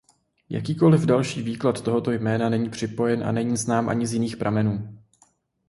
Jakýkoliv další výklad tohoto jména není připojen a není znám ani z jiných pramenů.